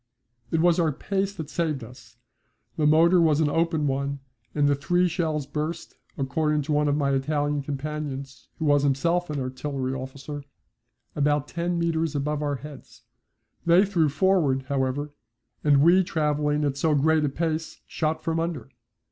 It was our pace that saved us. The motor was an open one, and the three shells burst, according to one of my Italian companions who was himself an artillery officer, about ten metres above our heads. They threw forward, however, and we travelling at so great a pace shot from under.